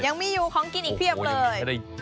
ยังมีอยู่ของกินอีกเพียบเลย